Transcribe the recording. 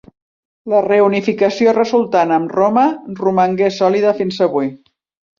La reunificació resultant amb Roma romangué sòlida fins avui.